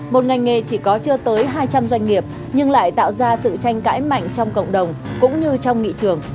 một ngành nghề chỉ có chưa tới hai trăm linh doanh nghiệp nhưng lại tạo ra sự tranh cãi mạnh trong cộng đồng cũng như trong nghị trường